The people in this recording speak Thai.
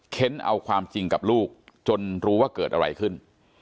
้นเอาความจริงกับลูกจนรู้ว่าเกิดอะไรขึ้น